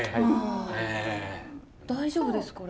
大丈夫ですこれ。